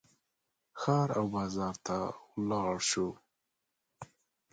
ښار او بازار ته ولاړ شو.